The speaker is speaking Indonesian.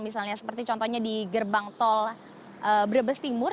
misalnya seperti contohnya di gerbang tol brebes timur